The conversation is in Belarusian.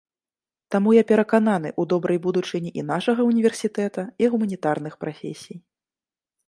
Таму я перакананы ў добрай будучыні і нашага ўніверсітэта, і гуманітарных прафесій.